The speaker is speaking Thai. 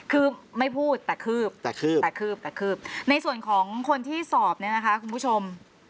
คือไม่พูดแต่คืบแต่คืบแต่คืบแต่คืบในส่วนของคนที่สอบเนี่ยนะคะคุณผู้ชม